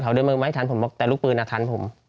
ข่าวเดินไม่ทันแต่ลูกปืนอะทันผม